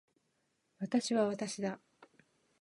私は私だ